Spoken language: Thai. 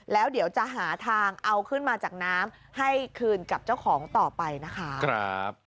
แล้วเดี๋ยวจะหาทางเอาขึ้นมาจากน้ำให้คืนกับเจ้าของต่อไปนะคะ